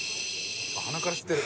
鼻から吸ってる。